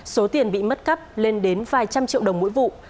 số tiền bị mất cắp lên đến vài trăm triệu đồng mỗi vụ